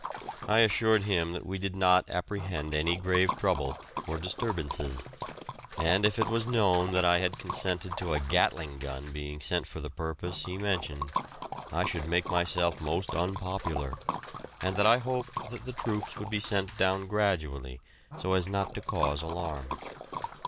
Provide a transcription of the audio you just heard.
I assured him that we did not apprehend any grave trouble, or disturbances, and if it was known that I had consented to a Gatling gun being sent for the purpose he mentioned, I should make myself most unpopular, and that I hoped that the troops would be sent down gradually so as not to cause alarm.